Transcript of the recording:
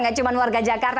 ya nggak cuma warga jakarta